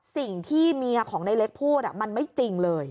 สิ่งที่เมียของในเล็กพูดมันไม่จริงเลย